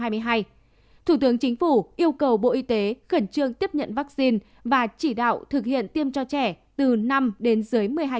thủ tướng chính phủ yêu cầu bộ y tế khẩn trương tiếp nhận vaccine và chỉ đạo thực hiện tiêm cho trẻ từ năm đến dưới một mươi hai